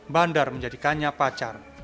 bandar menjadikannya pacar